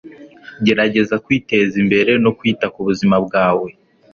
Gerageza kwiteza imbere no kwita ku buzima bwawe